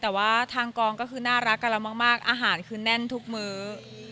แต่ว่าทางกองก็คือน่ารักกับเรามากอาหารคือแน่นทุกมื้อ